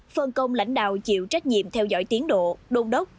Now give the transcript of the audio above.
phân công lãnh đạo chịu trách nhiệm theo dõi tiến độ đôn đốc